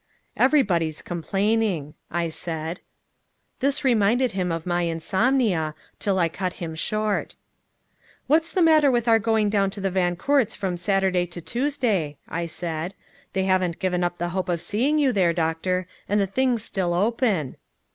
"Everybody's complaining," I said. This reminded him of my insomnia till I cut him short. "What's the matter with our going down to the Van Coorts' from Saturday to Tuesday," I said. "They haven't given up the hope of seeing you there, Doctor, and the thing's still open."